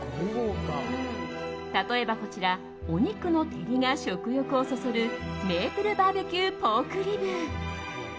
例えばこちらお肉の照りが食欲をそそるメイプルバーベキューポークリブ。